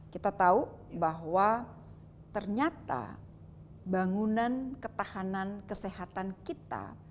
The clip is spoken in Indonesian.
kita tahu bahwa ternyata bangunan ketahanan kesehatan kita